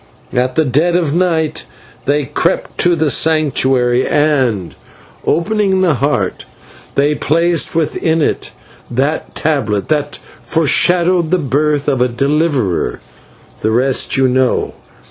At the dead of night they crept to the Sanctuary, and, opening the Heart, they placed within it that tablet which you have seen, the tablet that foreshadowed the birth of a Deliverer. The rest you know."